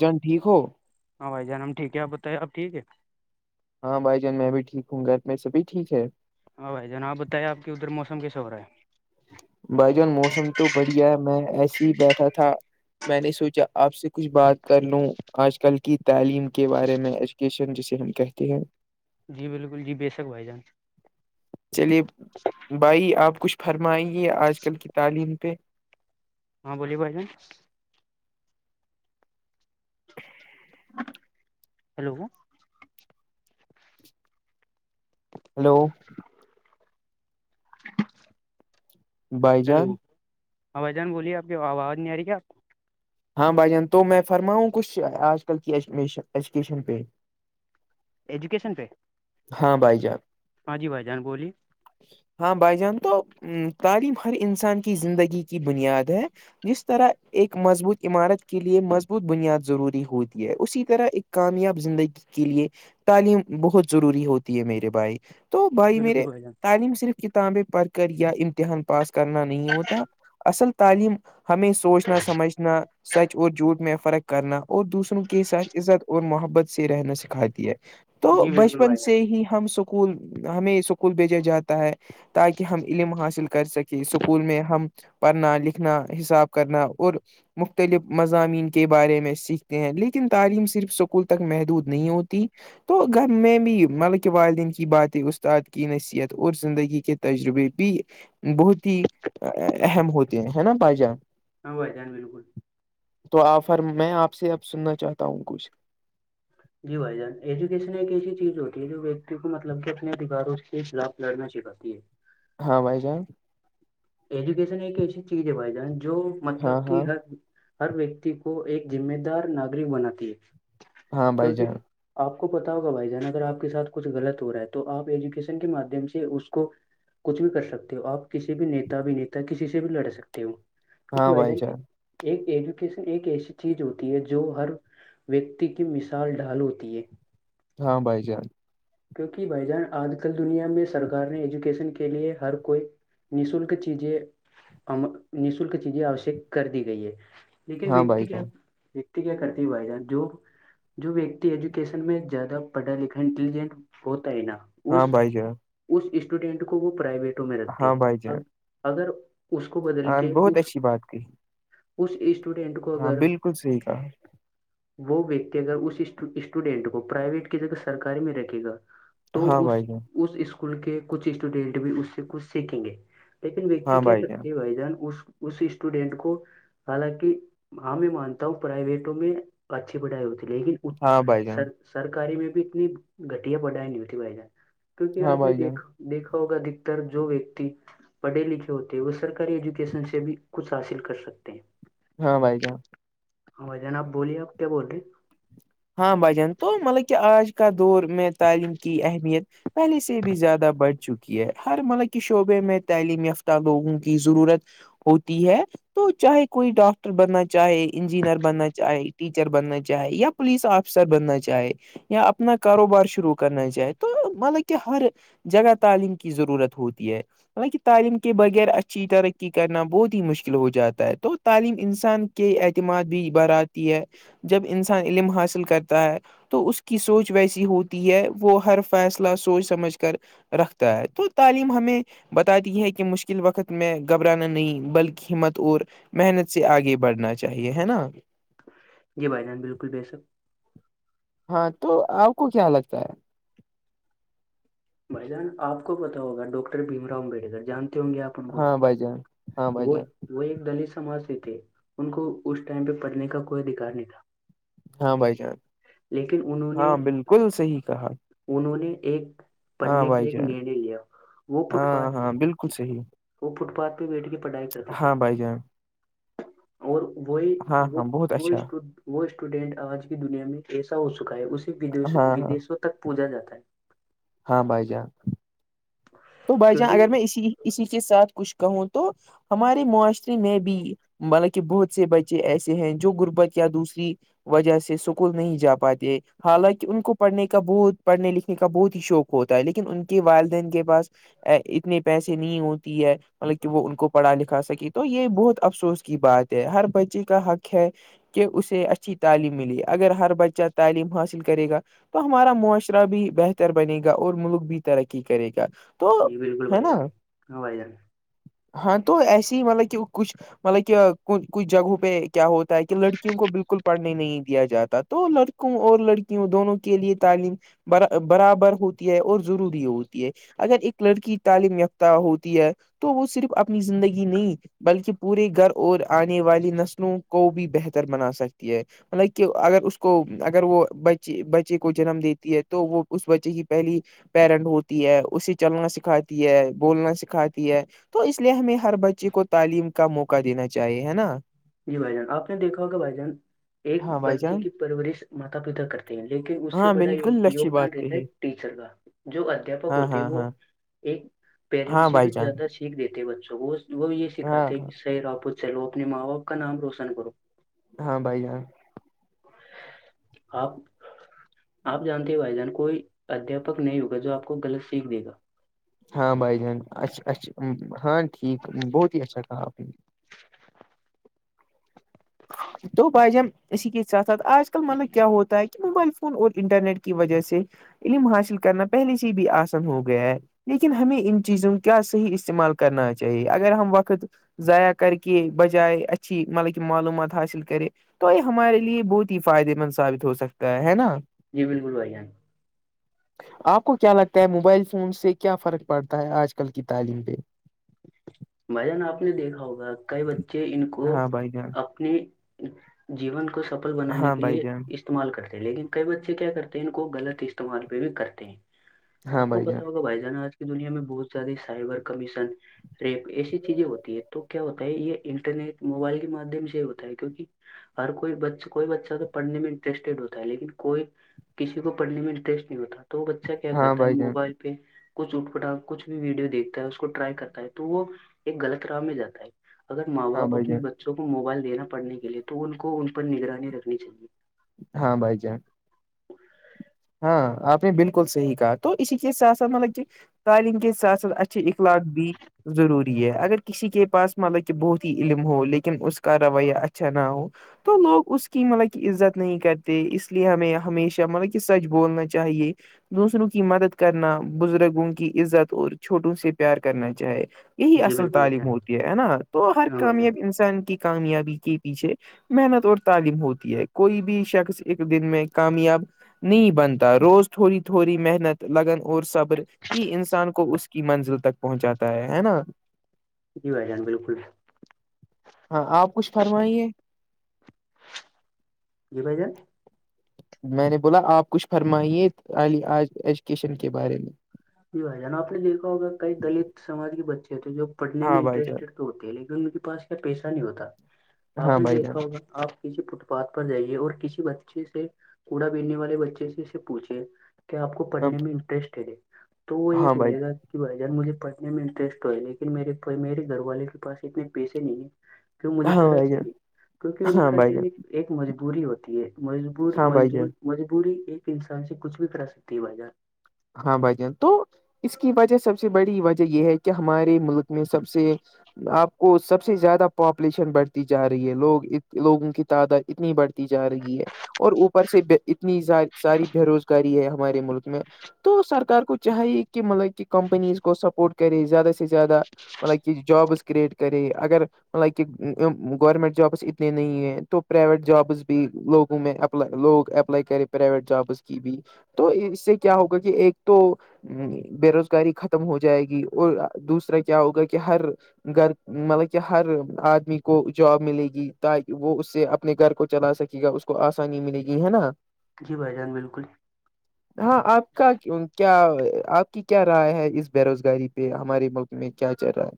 جن ٹھیک ہو ہاں بھائی جان ٹھیک ہے آ بتائی آب ٹھیک ہے ہاں بائی جان میں بھی ٹھیک ہوں گ میں سبھی ٹھیک ہے ہاں بھائی جان آپ بتائی آپ کے ادھر موسم کیسے ہو رہا ہے بھائی جان موسم تو بڑھیا ہے میں ایسے ہی بیٹھا تھا میں نے سوچا آپ سے کچھ بات کر لوں آج کل کی تعلیم کے بارے میں ایجوکیشن جسے ہم کہتے ہیں جی بالکل جی بے شک بھائی جان چلیے بھائی آپ کچھ فرمائیں گے آج کل کی تعلیم پہ ہاں بولیےو اے [unintelligible] ہیلو ہلو بھائی ہیلو جان اائی جان بولیے آپ کی آواز نہیں آ رہی کیا آپ ہاں بھائی جان تو میں فرماؤں کچھ آج کل کی ایجوکیشن پہ ایجوکیشن پہ ہاں بھائی ج آپ ہاں جی بھائی جان بولیے ہاں بھائی جان تو تعلیم ہر انسان کی زندگی کی بنیاد ہے جس طرح ایک مضبوط عمارت کے لیے مضبوط بنیاد ضروری ہوتی ہے اسی طرح ایک کامیاب زندگی کے لیے تعلیم بہت ضروری ہوتی ہے میرے بھائی تو بھائی بالکل میرے جان تعلیم صرف کتابیں پڑھ کر یا امتحان پاس کرنا نہیں ہوتا اصل تعلیم ہمیں سوچنا سمجھنا سچ اور جھوٹھ میں فرق کرنا اور دوسروں کے ساتھ عزت اور محبت سے رہنا سکھاتی ہے تو جی بالکل بچپن بھائی جان سے ہی ہم س اسکول ہمیں اسکول بھیجا جاتا ہے تاکہ ہم علم حاصل کر سکیں اسکول میں ہم پڑھنا لکھنا حساب کرنا اور مختلف مضامین کے بارے میں سیکھتے ہیں لیکن تعلیم صرف سکول تک محدود نہیں ہوتی تو گھر میں بھی مطلب کہ والدین کی باتیں استاد کی نصیحت اور زندگی کی تجربے بھی بہت ہی اہم ہوتے ہیں ہے نا باجان ہاں بھائیدان بالکل تو آر میں آپ سے اب سننا چاہتا ہوں کچھ جی بھائی جان ایجوکیشن ایک ایسی چیز ہوتی ہے جو ویکتی کو مطلب کہ اپنے ادھاروں اس کے خلاف لڑنے چ باتی ہے ہاں بھائی جان ایجوکیشن ایک ایسی چیز ہے بھائی جان جو ہاں مطلب کہ ہاں ہر ہر ویکتی کو ایک ذمہ دار ناگرک بناتی ہے ہاں بھائی کیونکہ جان آپ کو پتا ہوگا بھائی جان اگر آپ کے ساتھ کچھ غلط ہو رہا ہے تو آپ ایجوکیشن کے مادھیم سے اس کو کچھ بھی کر سکتے ہو آپ کسی بھی نتا بھینیتا کسی سے بھی لڑ سکتے ہو کیونکہ ہاں ب بھائی جان ایک ایجوکیشن ایک ایسی چیز ہوتی ہے جو ہر ویکتی کی مثال ڈھال ہوتی ہے ہاں بھائی جان کیونکہ بھائی جان آج کل دنیا میں سرکار نے ایجوکیشن کے لیے ہر کوئی نیسول چیزیں نیسول کی چیزیں آشییک کر دی گئی ہے لیکن ہاں بھائی ویکتی کیا جان ویکتی کیا کرتے بھائی جان جو جو ویکتی ایجوکیشن میں زیادہ پڑھا لکھا انٹیلیجنٹ ہوتا ہے نا اس ہاں بھائی جان اس اسٹوڈینٹ کو وہ پرائیویٹوں میں رکھتے ہاں بھائی جان اگر اس کو بدل ہاں کے بہت اس اچھی بات کہی اس اسٹوڈنٹ کو ہاں اگر بالکل صحیح کہا وہ ویکتی اگر اس اسٹوڈینٹ کو پرائیویٹ کی جگہ سرکاری میں رکھے گا تو ہاں اس بھائی جان اس اسکول کے کچھ اسٹوڈینٹ بھی اس سے کچھ سیکھیں گے لیکن ہاں ویکتی کیا بھائی کرتی ہے بھائی جان اس اسی اسٹوڈینٹ کو حالانکہ ہاں میں مانتا ہوں پرائیویٹوں میں اچھی پڑھائی ہوتی رےگی ہاں بھائی جان سرکاری میں بھی اتنی گھٹیا پڑھائی نہیں ہوتی بھائی جان کیونکہ ہاں آپ نے بھائی جان دیکھا دیکھا ہوگا دکتر جو ویکتی پڑے لکھے ہوتے ہیں وہ سرکاری ایجوکیشن سے بھی کچھ حاصل کر سکتے ہیں ہاں بھائی جان بھائی جان اپ بولیے آپ کیا بول رہے ہیں ہاں بھائی جان تو مطلب کہ آج کا دور میں تعلیم کی اہمیت پہلے سے بھی زیادہ بڑھ چکی ہے ہر ملک کے شعبے میں تعلیم یافتہ لوگوں کی ضرورت ہوتی ہے تو چاہے کوئی ڈاکٹر بننا چاہے انجینئر بننا چاہے ٹیچر بننا چاہے یا پولیس آفیسر بننا چاہے یا اپنا کاروبار شروع کرنا چاہے تو مطلب کہ ہر جگہ تعلیم کی ضرورت ہوتی ہے حلانکہ تعلیم کے بغیر اچھی ترقی کرنا بہت ہی مشکل ہو جاتا ہے تو تعلیم انسان کے اعتماد بھی بر آتی ہے جب انسان علم حاصل کرتا ہے تو اس کی سوچ ویسی ہوتی ہے وہ ہر فیصلہ سوچ سمجھ کر رکھتا ہے تو تعلیم ہمیں بتاتی ہے کہ مشکل وقت میں گھبرانا نہیں بلکہ ہمت اور محنت سے آگے بڑھنا چاہیے ہے نا جی بھائی جان بالکل بے شک ہاں تو آپ کو کیا لگتا ہے بھائی جان آپ کو پتہ ہوگا ڈاکٹر بھیم راؤ امبیڈکر جانتے ہوں گے آپ کو ہاں بھائی جان ہاں بھائی وہ جان وہ ایک دلش سماج سے تھے ان کو اس ٹائم پہ پڑھنے کا کوئی ادھکار نہیں تھا ہاں بھائی جان لیکن انہوں نے ہاں بالکل صحیح کہا انہوں نے ایک ہاں پڑھنے کا بھائی ایک جان نے لیا وہ فٹ ہاں پھاتھ ہاں بالکل صحیح وہ فٹ پاتھ پے بیٹھ کے پڑھائی کرتے تھے ہاں بھائی جان اور وہی ہاں وہ ہاں بہت اچھا وہٹ وہ اسٹوڈینٹ آج کی دنیا میں ایسا ہو چکا ہے اسے ہاں ہاں ودیسوں تک پوھا جاتا ہے ہاں بھائی جان تو بھائی جان کیونکہ اگر میں اسی اسی کے ساتھ کچھ کہوں تو ہمارے معاشرے میں بھی مطلب کہ بہت سے بچے ایسے ہیں جو غربت یا دوسری وجہ سے سکول نہیں جا پاتے حالانکہ ان کو پڑھنے کا بہت پڑھنے لکھنے کا بہت ہی شوق ہوتا ہے لیکن ان کے والدین کے پاس اتنے پیسے نہیں ہوتی ہے مطلب کہ وہ ان کو پڑھا لکھا سکی تو یہ بہت افسوس کی بات ہے ہر بچے کا حق ہے کہ اسے اچھی تعلیم ملی اگر ہر بچہ تعلیم حاصل کرے گا تو ہمارا معاشرہ بھی بہتر بنے گا اور ملک بھی ترقی کرے گا تو جی بالکل ہے بھائی نا جان ہاں بھائی جان ہاں تو ایسے ہی مطلب کہ کچھ مطلب کہ کچھ جگہوں پہ کیا ہوتا ہے کہ لڑکیوں کو بالکل پڑھنے نہیں دیا جاتا تو لڑکوں اور لڑکیوں دونوں کے لیے تعلیم برابر ہوتی ہے اور ضروری ہوتی ہے اگر ایک لڑکی تعلیم یافتہ ہوتی ہے تو وہ صرف اپنی زندگی نہیں بلکہ پورے گھر اور آنے والی نسلوں کو بھی بہتر بنا سکتی ہے مطلب کہ اگر اس کو اگر وہ بچے بچے کو جنم دیتی ہے تو وہ اس بچے کی پہلی پیرنٹ ہوتی ہے اسی چلنا سکھاتی ہے بولنا سکھاتی ہے تو اس لیے ہمیں ہر بچے کو تعلیم کا موقع دینا چاہیے ہے نا جی بھائی جان آپ نے دیکھا ہوگا بھائی جان ایک ہاں بھائی بچے جان کی پرورش ماتا پتا کرتے ہیں لیکن اس سے ہاں بڑا بالکل اچھی یوگدان بات رہتا ہے کہی ٹیچر کا جو ادھیاپک ہاں ہوتے ہاں وہ ہاں ایک پیرنٹ ہاں سے بھی بھائی جان زیادہ سیکھ دیتے بچوں کو وہ بھی یہ ہاں سکھاتے ہاں کہ ص ر آپو چلو اپنے ماں باپ کا نام روشن کرو ہاں بھائی جاں آپ آپ جانتے ہیں بھائی جان کوئی ادھپک نہیں ہوگا جو آپ کو غلط سیکھ دے گا ہاں بھائی جان اچھا اچھا ہاں ٹھیک بہت ہی اچھا کہا آپ نے تو بج اسسی کی ساتاتھ آج کل مطلب کیا ہوتا ہے موبائل فون اور انٹرنیٹ کی وجہ سے علم حاصل کرنا پہلے سے بھی آسان ہو گیا ہے لیکن ہمیں ان چیزوں کو کیا صحیح استعمال کرنا چاہیے اگر ہم وقت ضاع کر کے بجائے اچھی مطلب کہ معلومات حاصل کرے تو یہ ہمارے لیے بہت ہی فائدے مند ثابت ہو سکتا ہے ہے نا جی بالکل بھائی جان آپ کو کیا لگتا ہے موبائل فون سے کیا فرق پڑتا ہے آج کل کی تعلیم پہ بھائی جان آپ نے دیکھا ہوگا کئی بچے ان کو ہاں بھائی جان اپنے جیون کو سفل بنانے ہاں کے لیے بھائی جان اس استعمال کرتے ہیں لیکن کئی بچے کیا کرتے ہیں ان کو غط استعمال پہ بھی کرتے ہیں ہاں آپ کو بھائی جان پتا ہوگا بھائی جانا آج کی دنیا میں بہت زیادہ سائبر کمیشن ریپ ایسی چیزیں ہوتی ہے تو کیا ہوتا ہے یہ انٹرنیٹ موبائل کے مادھیم سے ہوتا ہے کیوںکہ ہر کوئی بچ کوئی بچہ تو پڑھنے میں انٹرسٹیڈ ہوتا ہے لیکن کوئی کسی کو پڑھنے میں انٹرسٹ نہیں ہوتا تو وہ بچہ کیا ہاں کرتا ہے بھائی جان موبائل پہ کچھ اٹھ پٹا کچھ بھی ویڈیو دیکھتا ہے اس کو ٹرائی کرتا ہے ہے تو وہ ایک غلط راہ میں جاتا ہے اگر ماں ہاں باپ بھائی اپنے جان بچوں بچوں کو موبائل دینا پڑنے کے لیے تو ان کو ان پر نگرانی رکھنی چاہیے ہاں بھائی جان ا [inaudible] ہاں آپ نے بالکل صحیح کہا تو اسی کے ساتھ ساتھ مطلب کہ تعلیم کے ح سات ساتھ اچھھی اخلاق بی ضروری ہے اگر کسی کے پاس مطلب کہ بہت ہی علم ہو لیکن اس کا روایہ اچھا نہ ہو تو لوگ اس کی مطلب کہ عزت نہیں کرتے اس لیے ہمیں ہمیشہ مطلب کہ کہ سچ بولنا چاہیے دوسروں کی مدد کرنا بزرگوں کی عزت اور چھوٹوں سے پیار کرنا چاہے یہی جی اصل بالکل بھائی تعلیم جان ہوتی ہے نا تو ہر ہاں بھائی جان کامیاب انسان کی کامیابی کے پیچھے محنت اور تعلیم ہوتی ہے کوئی بھی شخص ایک دن میں کامیاب نہیں بنتا روز تھوڑی تھوڑی محنت لگن اور صبر ہی انسان کو اس کی منزل تک پہنچاتا ہے ہے نا جی بھائی جان بالکل ہاں آپ کچھ فرمائیے جی بایی جان میں نے بولا آپ کچھ فرمائیے علی آج ایجوکیشن کے بارے میں جی بھائی جان آپ نے دیکھا ہوگا کئی دلت سمج کے بچے ہو تھے جو پڑھنے میں ہاں بھائی جان انٹرسٹیڈ تو ہوتے ہیں لیکن ان کے پاس کیا پیسہ نہیں ہوتا آپ ہاں نے بھائی جان دیکھا ہوگا آپ کسی فٹ پاتھ پر جائیے اور کسی بچے سے کوڑا بلنے والے بچے سے اس سے پوچھے کہ آپ کو پڑھنے میں انٹرسٹ ہے دے تو وہ یہ ہاں بھائی بولے گا کہ بھائی جان مجھے پڑھنے میں انٹرسٹ ہے لیکن میرے میرے گھر والے کے پیسے اتنے پیسے نہیں ہیں کی مجھے ہاں پڑھا بھائی جان سک کیونکہ ان ہاں کا بھائی کیا جان ہے ایک مزدوری ہوتی ہے مجبور ہاں بھائی مزدور جان مجبوری ایک انسان سے کچھ بھی کرا سکتی ہے بازار ہاں بھائی جان تو اس کی وجہ سب سے بڑی وجہ یہ ہے کہ ہمارے ملک میں سب سے آپ کو سب سے زیادہ پاپولیشن بڑھتی جا رہی ہے لوگ لوگوں کی تعداد اتنی بڑھتی جا رہی ہے اور اوپر سے اتنی ساری بے روزگاری ہے ہمارے ملک میں تو سرکار کو چاہیے کہ ملب کی کمپنیز کو سپورٹ کرے زیادہ سے زیادہ مطلب کہ جابس کرریٹ کرے اگر ائک کہ گورنمنٹ جابس اتنے نہیں ہیں تو پرائیویٹ جابس بھی لوگوں میں لوگ اپلائی کرے پرائیویٹ جابس کی بھی تو اس سے کیا ہوگا کہ ایک تو ہ بے روزگاری ختم ہو جائے گی اور دوسرا کیا ہوگا کہ ہر گھر مطلب کہ ہر آدمی کو جاب ملے گی تاکہ وہ اس سے اپنے گھر کو چلا سکے ج اس کو آسانی ملے گی ہے نا جی بھائی جان بالکل ہی ہاں آپ کیا آپ کی کیا رائے ہے اس بے روزگاری پہ ہمارے ملک میں کیا چل رہا ہے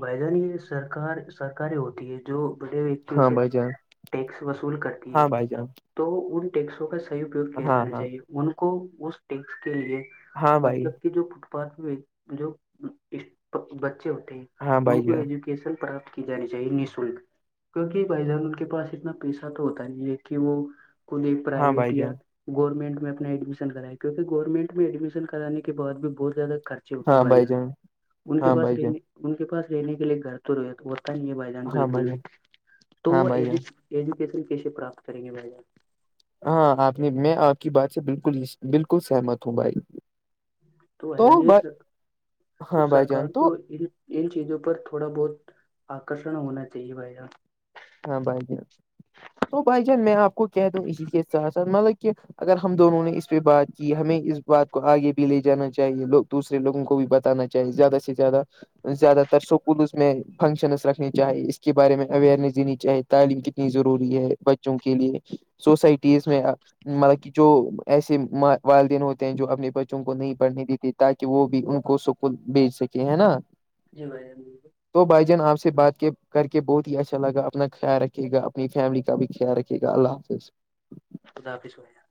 بھائی جان یہ سرکار سرکاری ہوتی ہے جو بڑے ویکتیوں ہاں سے بھائی جان ٹیکس وصول کرتی ہے ہاں بھائی جان تو ان ٹیکسوں کا اپیوگ کیاے ہاں جانا ہاں چاہیے ان کو اس ٹس کے لیے ہاں بھائی مطلب کہ جو پر جو بچے ہوتے ہیں ہاں ان بھائی کو جان ایجوکٹ ن پراپت کی جانی چاہیے نشلک کیونکہ بھائی جان ان کے پاس اتنا پیسہ تو ہوتا نہیں ہے کہ وہ خود ایک ہاں پرائیویٹ بھائی یا جان گورنمنٹ میں اپنا ایڈمشن کرا کیکہ گورنمنٹ میں ایڈمشن کرانے کےعد بھی بہت زیادہ خرچ ہوتے بھائی جان ان کے ہاں پس بھائی جان رہنے ان کے پس رہنے کے لیے گھر تو رویا تو ہوتا نہیں ہے بھائی جان ہاں بالکل بھی جان تو ہاں وہ بھائی جان ایجوکیشن کیسے پراپت کریں گے بھائی جان ہاں آپ نے میں آپ کی بات سے بالکل بالکل سہمت ہوں بھائی تو ہے جانی س تو ہاں بھائی سرکار جان کو تو ان ان چیزوں پر تھوڑا بہت آکرشن ہونا چاہیے بھائی جان ہاں بھائی جان تو بھائی جان میں آپ کو کہہ دوں اسی کے ساتھ ساتھ ملب کہ اگر ہم دونوں نے اس پہ بات کی ہمیں اس بات کو آگے بھی لے جانا چاہیے لوگ دوسے لووں کو بھی بتانا چاہیے زیادہ سے زیادہ زیادہ تر سکولز میں فنکشنس رکھنی چاہے اس کے بارے میں اوئرنیس دینی چاہی تعلیم کتنی ضروری ہے بچوں کے لیے سوسائٹیز میں مطلب کہ جو ایسے والدین ہوتے ہیں جو اپنے بچوں کو نہیں پڑھنے دیتے تاکہ وہ بھی ان کو سکول بھیج سکے کہ ہے نا جی بایی جان تو بھائی جان آپ سے بات کر کے بہت ہی اچھا لگا اپنا خیال رکھے گا اپنی فیملی کا بھی خیال رکھے گا اللہ حافظ اللہ حافظ ہویا